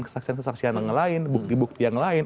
kesaksian kesaksian yang lain bukti bukti yang lain